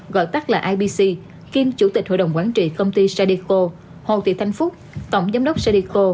gọi tắt là ibc kiêm chủ tịch hội đồng quản trị công ty sadeco hồ thị thanh phúc tổng giám đốc cdico